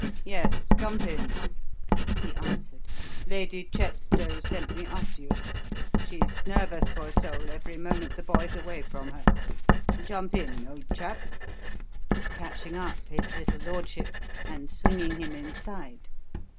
"Yes; jump in," he answered. "Lady Chepstow sent me after you. She's nervous, poor soul, every moment the boy's away from her. Jump in, old chap!" catching up his little lordship and swinging him inside.